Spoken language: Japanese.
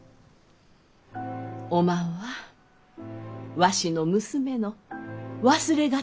おまんはわしの娘の忘れ形見じゃき。